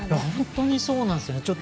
本当にそうなんですね。